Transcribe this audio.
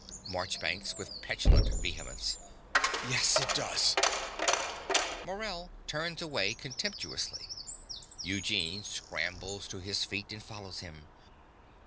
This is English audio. MARCHBANKS (with petulant vehemence). Yes, it does. (Morell turns away contemptuously. Eugene scrambles to his feet and follows him.)